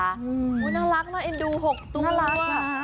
อุ้ยน่ารักเนอะเอ็นดู๖ตัวน่ารักนะ